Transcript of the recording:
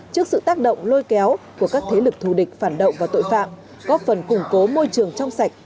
trước sự tác động lôi kéo của các thế lực thù địch phản động và tội phạm góp phần củng cố môi trường trong sạch